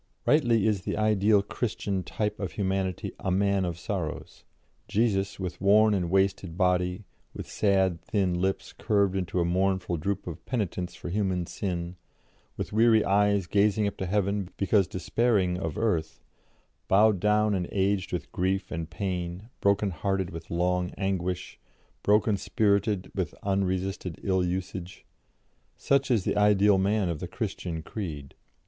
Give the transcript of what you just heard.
"Rightly is the ideal Christian type of humanity a Man of Sorrows. Jesus, with worn and wasted body; with sad, thin lips, curved into a mournful droop of penitence for human sin; with weary eyes gazing up to heaven because despairing of earth; bowed down and aged with grief and pain, broken hearted with long anguish, broken spirited with unresisted ill usage such is the ideal man of the Christian creed.